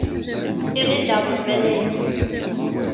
I ɣileɣ d lmalayek.